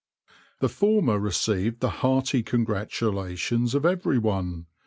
The former received the hearty congratulations of everyone.